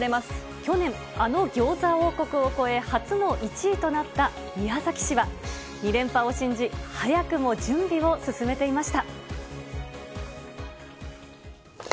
去年、あのギョーザ王国を超え、初の１位となった宮崎市は、２連覇を信じ、早くも準備を進めていました。